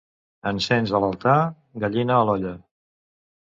Encens a l'altar, gallina a l'olla.